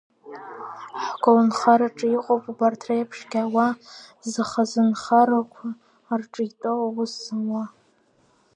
Ҳколнхараҿы иҟоуп убарҭ реиԥшгьы ауаа, зхазынхарақәа рҿы итәоу, аус зымуа.